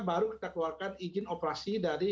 baru kita keluarkan izin operasi dari